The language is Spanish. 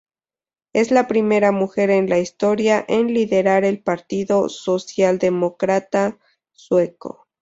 Es la primera mujer en la historia en liderar el Partido Socialdemócrata Sueco.